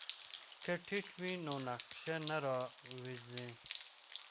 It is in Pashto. که ټیپ وي نو نقشه نه راویځیږي.